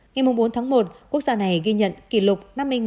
ngày bốn tháng một quốc gia này ghi nhận kỷ lục năm mươi